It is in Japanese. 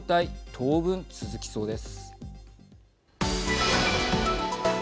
当分続きそうです。